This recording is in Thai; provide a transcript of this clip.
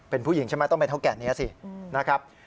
เป็นผู้หญิงใช่ไหมต้องเป็นเท่าแก่นี้สินะครับ